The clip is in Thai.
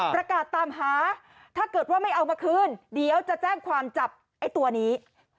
ประกาศตามหาถ้าเกิดว่าไม่เอามาคืนเดี๋ยวจะแจ้งความจับไอ้ตัวนี้